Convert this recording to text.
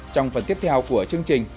trong phần tiếp theo của chương trình